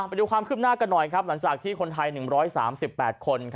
ไปดูความคืบหน้ากันหน่อยครับหลังจากที่คนไทย๑๓๘คน